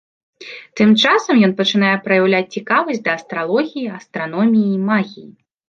Тым часам ён пачынае праяўляць цікавасць да астралогіі, астраноміі і магіі.